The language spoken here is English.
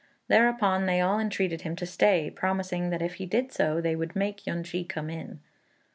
Thereupon they all entreated him to stay, promising that if he did so they would make Yün ch'i come in.